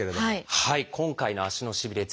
はい今回の「足のしびれ」。